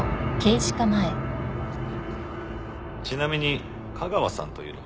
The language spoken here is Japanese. ちなみに架川さんというのは。